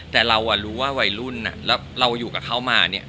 แต่เรารู้ว่าวัยรุ่นเราอยู่กับเขามา